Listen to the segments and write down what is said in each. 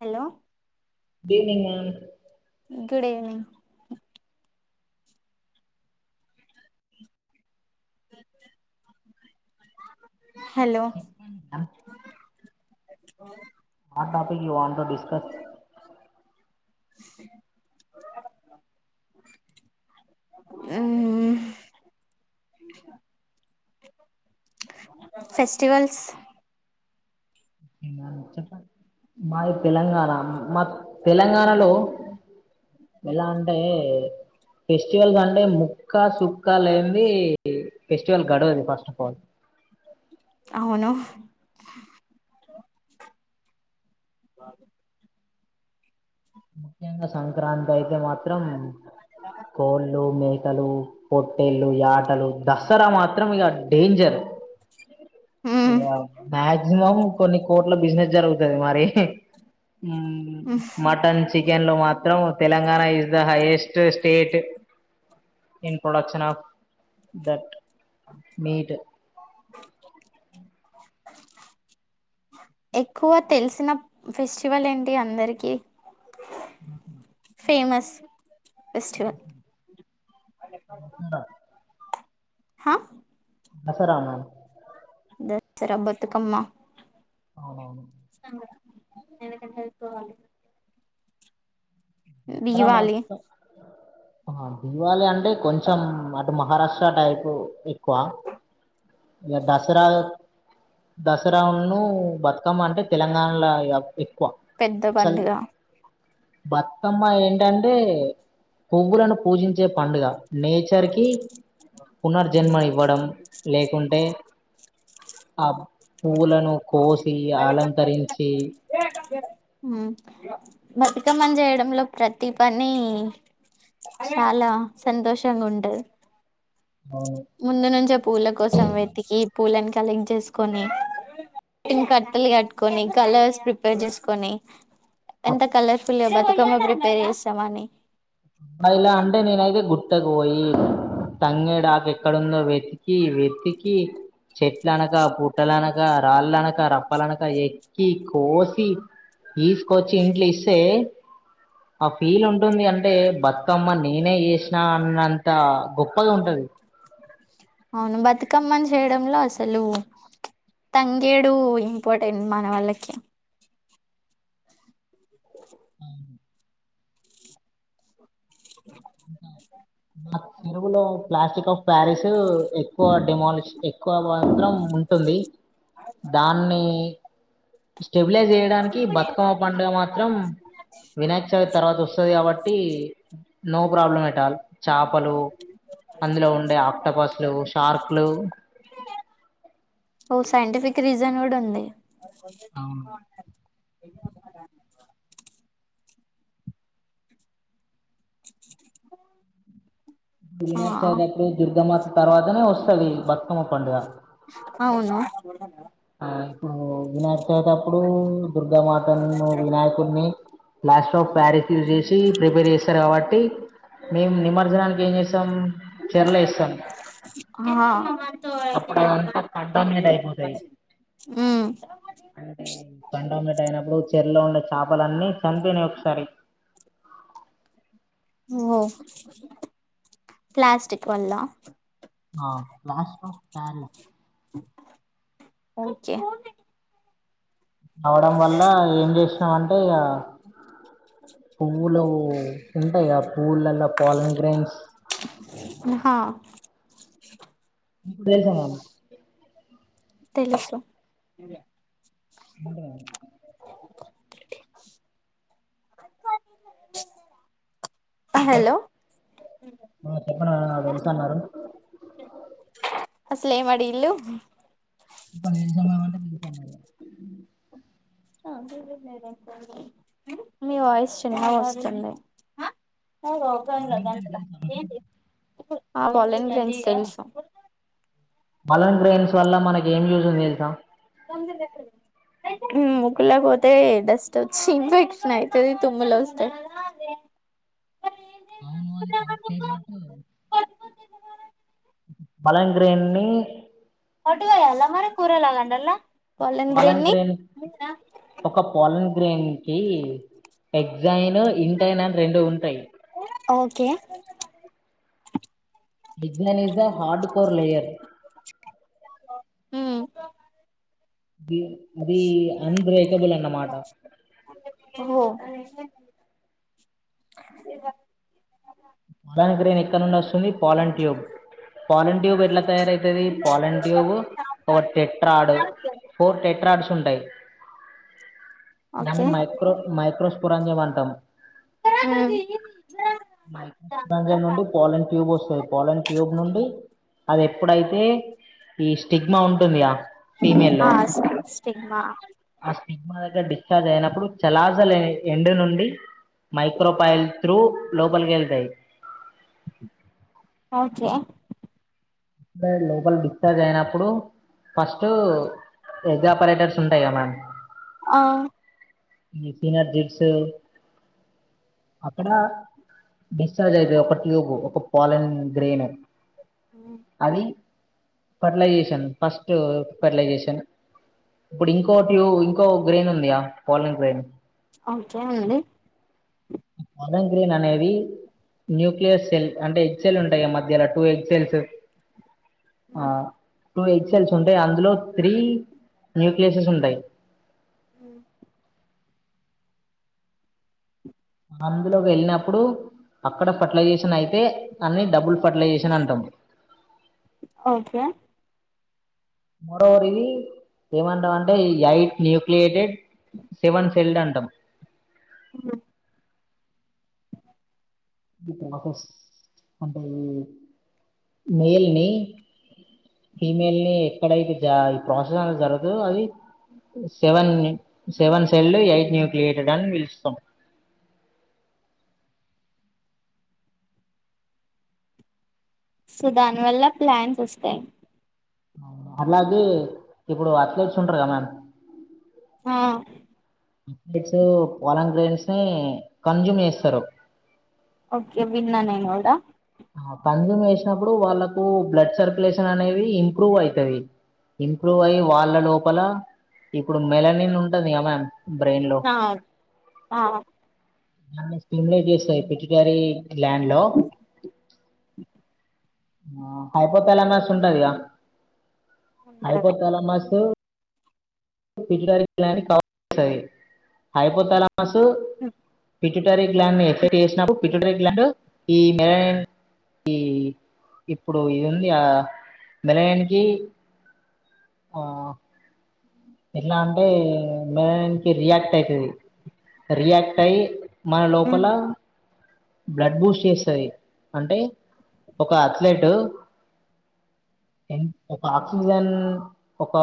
Hello good evening ma'am good evening uh hello చెప్పండి ma'am ఆ topic you want to discuss hmm festivals okay ma'am, మాది తెలంగాణ మా తెలంగాణలో ఎలా అంటే ఫెస్టివల్స్ అంటే ముక్కా సుక్క లేనిది ఫెస్టివల్ గడవది ఫస్ట్ ఆఫ్ ఆల్ అవును ముఖ్యంగా సంక్రాంతి అయితే మాత్రం కోళ్ళు మేక లు పొట్టేళ్లు యాటలు దసరా మాత్రం ఇక డేంజర్ మ్మ్ మాక్సిమం కొన్ని కోట్ల బిజినెస్ జరుగుతుది మరి మ్మ్ మటన్ చికెన్ లో మాత్రం Telangana is the highest state in production of that meat uh ఎక్కువ తెలిసిన ఫెస్టివల్ ఏంటి అందరికి ఆహా ఫేమస్ ఫెస్టివల్ దసరా హా దసరానా దస్రా బతుకమ్మ అవునవును సంగ ఎనక వెళ్కోవాలి క్కర మాత్రం దీవళి అంటే కొంచెం అటు మహారాష్ట్ర టైప్ ఎక్కువ ఇగా దసరా దాసరున్ను బతుకమ్మ అంటే తెలంగాణలో ఇగ పెద్ద పండుగ బతుకమ్మ ఏంటంటే పువ్వులను పూజించే పండుగ నేచర్ కి పునర్జన్మని ఇవ్వడం లేకుంటే ఆ పువ్వులను కోసి అలంకరించి బతుకమ్మని జెయడంలో ప్రతి పని చాలా సంతోషంగా ఉంటది అవును ముందు నుంచే పూల కోసం వెతికి పూలను కలెక్ట్ చేసుకొని టీని కట్టలు కట్టుకొని కలర్స్ ప్రిపేర్ చేసుకొని ఎంత కలర్ఫుల్ బతుకమ్మో ప్రిపేర్ చేసామ అని ఇలా అంటె నేను అయితే గుట్ట పోయి తంగేడాకు ఎక్కడందో వెతికి వెతికి చెట్ల అనక పుట్టలనక రాళ్ళ అనక రప్పలనక ఎక్కి కోసి తీసుకొచ్చి ఇంట్లు ఇస్తే ఆ ఫీల్ ఉంటుంది అంటే అంటే బతుకమ్మ నేనే చేసినా అన్నంత గొప్పగా ఉంటది అవును బతుకమ్మని చేయడంలో అసలు తంగేడు ఇంపార్టెంట్ మన వాళ్ళకి ఇకాా మా చెరువులో ప్లాస్టిక్ ఆఫ్ ప్యారిస్ ఎక్కువ డిమాలిష్ ఎక్కువ మాత్రం ఉంటుంది దాన్ని స్టెబిలైజ్ చేయడానికి బతుకమ్మ పండుగ మాత్రం వినాయక్ చవితి తర్వాత వస్తుది కాబట్టి నో ప్రాబ్లం ఎట్ అల్ చాపలు, అందులో ఉండే ఆక్టపాస్లు జెడ్ షార్క్లు ఓ సై [unintelligible] క్రిజన్గుడా ఉంది అవును ఆ వినాయక చదత్రోజు దుర్గమాత తర్వాతనే వస్తది బతుకమ్మ పండుగ అవున ఆ ఇప్పుడు వినాయకచవితప్పుడు దుర్గా మాత ను వినాయకుడిని ప్లాస్ట ఆఫ్ ప్యారిస్ యూజ్ చేసి ప్రిపేర్ చేస్తారు కాబట్టి మేమ్మ్ నిమజ్జనానికి ఏం చేస్తాం చరలేస్తాం ఆ అప్పుడు అదంతా కడ్డ మీద అయిపోతాయి ఉమ్ అంటే పండలటైనప్పుడుచ్చ ఇల్లో ఉండే చేపలన్నీ చనిపోనాయి ఒకసారి ఓహొ ప్లాస్టిక్ వల్ల ఆ ప్లాస్టర్ ఆఫ్ పారిస్ ఓకే అవడం వల్ల ఏం చేసినాంటే ఇగ పువ్వు పూల్లో ఉంటాయి గా పూలల్ల పాలన్ గ్రైన్స్ ఉహ ఇప్పుడు తెల్సా మమ్మీకి తెలుసు [inaudible] ట అ హలో ఆ చెప్ప నా [unintelligible] వెళ్తన్నారు అసలేం అడిగిల్లు ఒక నిమిష [unintelligible] మీ వాయిస్ చిన్నగోస్తుంది పాలన్ గ్రైన్స్ తెలుసా [inaudible] ఆ బలేం ఫ్రెండ్ తెలుసు మలన్ ఫ్రెండ్స్ వల్ల మనకి ఏం యూజ్ ఉంది తెలుసా ముకులా పోతే డస్ట్ వచ్చి ఇన్ఫెక్షన్ అయితది తుమ్ములో వస్తాయి. అవును అది కరెక్టే బట్ పలంగ్రేన్ని ఓటుగాకోయల్న మరి కూరలాగండల్నా పాలన్ గ్రేన్ ఒక పాలన్ గ్రేన్ కి ఎగ్జైన్, ఇంటైన్ అని రెండు ఉంటాయి. ఓకే విజ్ఞన్ is the hard core layer [unintelligible] అది అన్బ్రేకబుల్ అన్న మాట అ ఇగా పలాని గ్రేన్ ఎక్కడ నుండి వస్తుంది పాలన్ ట్యూబ్ పాలన్ ట్యూబ్ ఎట్లా తయారైతది? పాలన్ ట్యూబ్ ఒక టెట్రాడు, ఫోర్ టెట్రాడ్స్ ఉంటాయి దాన్ని ఓకే మైక్రో మైక్రోస్ఫురాన్జమంటాం ఉ మై [unintelligible] నుండి పోలన్ ట్యూబ్ వస్తాది. పోలన్ ట్యూబ్ నుండి అది ఎప్పుడైతే ఈ స్టిగ్మా ఉంటుందిగా ఫీమేల్లో ఆ స్టి స్టిగ్మా సినిగమా దగ్గర డిశ్చార్జ్ అయినప్పుడు చలాసలు ఎం నుండి మైక్రోపాయల్ ్రూ లో్బల్ గెల్తాయి ఓకే ఇప్పుడే లోపలి బిక్టాజ్ అయినప్పుడు ఫస్ట్ ఎ్పరేటర్స్ ఉంటాయి కద మ్యామ్ ఆ ఈ సీనిర్ జిప్స్ అక్కడ డిశ్చార్జ్ అయితే ఒక ట్యూబ్ ఒక పాలన్ గ్రైన్ అది ఫర్టిలైజేషన్ ఫస్ట్ ఫర్టిలైజేషన్ ఇప్పుడు ఇంకో ట్యూ ఇంకో గ్రైన్ ఉందియా పోాలన్ గ్రైన్ అఓకే అండి పదన్ గ్రీన్ అనేవి న్యూక్లియస్ సెల్ అంటే ఎక్్ సెల్ ఉంటాయి మధ్యలా టూ ఎక్ ఆ టూ హెచ్ఎల్స్ ఉంటాయి అందులో త్రీ న్యూక్లియసస్ ఉంటాయి ఉం అందులోకి వెళ్ళినప్పుడు అక్కడ ఫర్టిలైజేషన్ అయితే అన్ని డబుల్ పట్ల చేసిన అంటం ఓకే మరోది ఏమంటం అంటే ఈ యైట్ న్యూక్లియోటైడ్ శివన్ సెల్ అంటం ఉం హస్ అంటే మేల్ని ఫీమెయిల్ ని ఎక్కడైతే జ ఈ ప్రాసెస్ అనే జరుగుతదో అది seven seven cell eight nucleated అని పిలుస్తాం సో దాని వల్ల ప్లాన్స్ వస్తాయి అలాగే ఇప్పుడు అథ్లెట్స్ ఉంటారు గ మ్యామ్ ఆ అప్లైట్స్ వాల గ్రైన్స్ ని కన్జూమ్ చేస్తారు ఓకే విన్న నెన్ గూడ కన్జూమ్ చేసినప్పుడు వాళ్ళకు బ్లడ్ సర్కులేషన్ అనేవి ఇంప్రూవ్ అయితవి ఇంప్రూవ్ అయి్యి వాళ్ళ లోపల ఇప్పుడు మెలనిన్ ఉంటంది గ మ్యామ్ బ్రెయిన్ లో ఆ ఆ స్కస్తాయి పిట్యూటరీ గ్లాండ్ లో హైపో తాలమాస్ ఉంటదిగా hypothalamus pituitary gland study hypothalamus ఆస్ పిట్యూటరీ గ్లాండ్ నీ ఎఫెక్ట్ చేసినప్పుడు పిట్యటరీ గ్లాండ్ ఈ ఇర ఈ ఇప్పుడు ఇది ఉంది ఆ నిలయానికి ఆ ఎలా అంటే మెన్ కి రియాక్ట్ అయితుది రియాక్ట్ అయిి మన హ్మ్. లోపల బ్లడ్ బూస్ట్ చేస్తది అంటే ఒక అథ్లెట్ ఎ ఒక ఆక్సిజన్ ఒక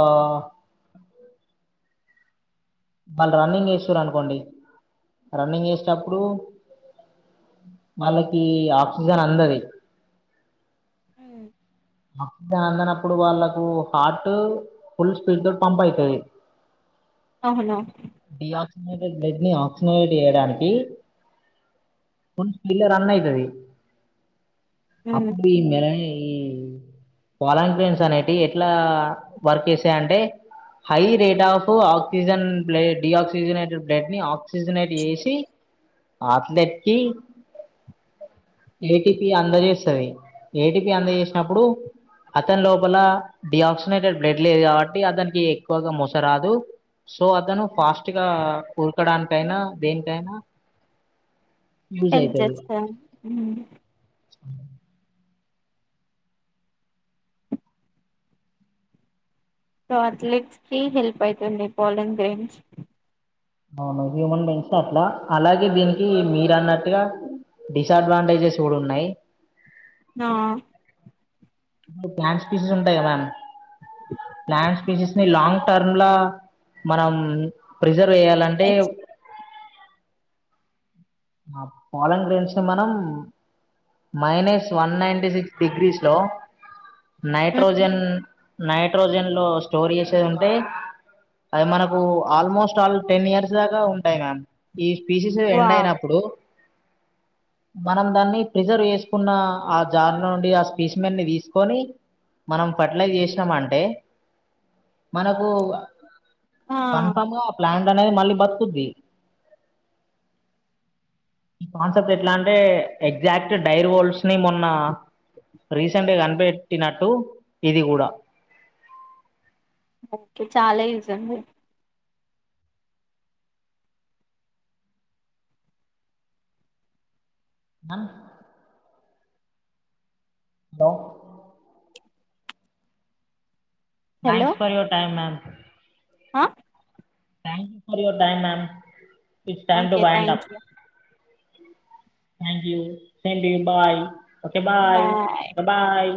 వాళ్ళు రన్నింగ్ చేస్తుారు అనుకోండి రన్నింగ్ చేసేటప్పుడు వాళ్ళకి ఆక్సిజన్ అందది ఆ దాని అందినప్పుడు వాళ్ళకు హార్ట్ ఫుల్ స్పీడ్ తో పంప్ అయితది అవును బ్లడ్ ని ఆక్సినైడ్ చేయడానికి పిల్ల రన్ అయితది అప్పుడి మేర ఈ వాలంటీర్స్ అనేటి ఎట్లా వర్క్ చేసాయ అంటే హై రేట్ ఆఫ్ ఆక్సిజన్ బ్ల డిఆక్సిజనేటెడ్ బ్లడ్ ని ఆక్సిజనేట్ చేసి అథ్లెట్ కీ ఏటిపి అందజేస్తుంది ఏటీపి అందజేసినప్పుడు అతని లోపల డియాక్సినేటెడ్ బ్లడ్ లేదు కాబట్టి అతనికి ఎక్కువగా మోస రాదు సో అతను ఫాస్ట్ గా కూరకడానికైనా దేనికైనా యూజ్ హల్ప్ జేస్త అవు సో అథ్లెట్స్ కి హెల్ప్ అవుతుంది బౌలింగ్ గేమ్స్ అవును హ్యూమన్ పెెస్న్ అట్లా అలాగే దీనికి మీరు అన్నట్టుగా డిసడ్వాంటేజెస్ కూడా ఉన్నాయి్ ఆ ప్యాంస్ పీసెస్ ఉంటాయి కద మ్యామ్ ల్యాండ్ స్పీచెస్ ని లాంగ్ టర్మ్ లా మనం ప్రిజర్వ్ వయాలంటే ఆ పాలంగ్రంచి మనం minus one ninety six degrees లో నైట్రోజన్ నైట్రోజన్ లో స్టోర్ చేసేది ఉంటే అది మనకు ఆల్మోస్ట్ ఆల్ టెన్ ఇయర్స్ దాకా ఉంటాయి మ్యామ్ ఈ స్పీసీస్ ఎండ్ అయిన మనం దాన్ని ప్రిజర్వ్ చేసుకున్న ఆ జార్ నుండి ఆ స్పీస్మెట్ ని తీసుకొని మనం ఫర్టిలైజ్ చేసినామ అంటే మనకు కన్ఫామ్ ప్లాంట్ అనేది మళ్ళీ బతుకుది ఈ కాన్సెప్ట్ ఎట్లా అంటే ఎగ్జాక్ట్ డైర్ వోల్స్ ని మొన్న రీసెంట్గా కనిపెట్టినట్టు ఇది కూడా ఓకే చాలా ఈయూజ్ అండి అను the thanks for your time ma'am ఆ thank for your time ma'ams టై వై అప్ థ్యాంక్ ూథం య బాయ్ ఓకే బాయ్ బాయ్